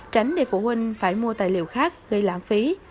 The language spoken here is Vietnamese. tránh để phụ huynh phải mua tài liệu khác gây lãng phí